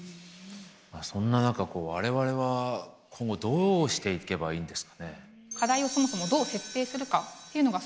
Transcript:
まあそんな中我々は今後どうしていけばいいんですかね？